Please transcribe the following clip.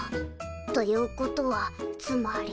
ということはつまり。